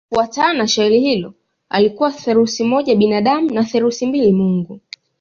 Kufuatana na shairi hilo alikuwa theluthi moja binadamu na theluthi mbili mungu.